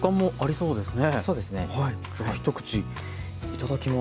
そうですね。